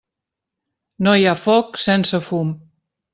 No hi ha foc sense fum.